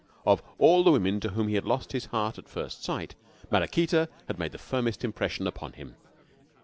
Of all the women to whom he had lost his heart at first sight, Maraquita had made the firmest impression upon him.